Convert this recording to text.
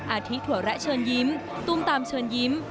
อาทิตย์ถั่วแระเชิญยิ้มตุ้มตามเชิญยิ้ม